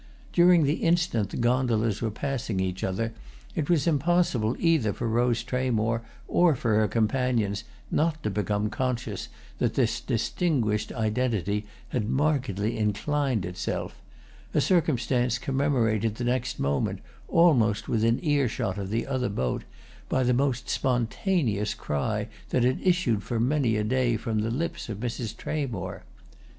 During the instant the gondolas were passing each other it was impossible either for Rose Tramore or for her companions not to become conscious that this distinguished identity had markedly inclined itself—a circumstance commemorated the next moment, almost within earshot of the other boat, by the most spontaneous cry that had issued for many a day from the lips of Mrs. Tramore.